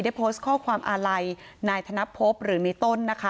ได้โพสต์ข้อความอะไรนายธนพบหรือนิตน